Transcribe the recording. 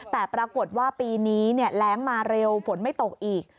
แต่ปรากฏว่าปีนี้แรงมาเร็วฝนไม่ตกอีก